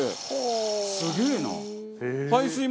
すげえな！